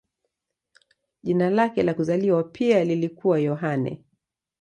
Jina lake la kuzaliwa pia lilikuwa Yohane.